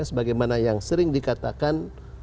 sebagaimana yang sering dikatakan